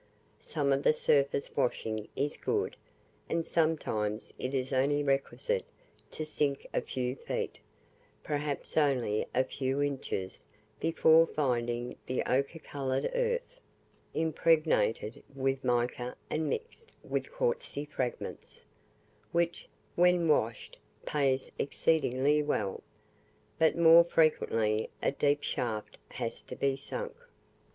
Some of the surface washing is good, and sometimes it is only requisite to sink a few feet, perhaps only a few inches, before finding the ochre coloured earth (impregnated with mica and mixed with quartzy fragments), which, when washed, pays exceedingly well. But more frequently a deep shaft has to be sunk.